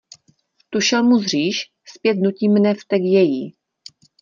Tu šelmu zříš, zpět nutí mne vztek její.